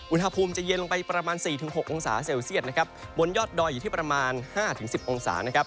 อุณหภูมิจะเย็นลงไปประมาณ๔๖องศาเซลเซียตนะครับบนยอดดอยอยู่ที่ประมาณ๕๑๐องศานะครับ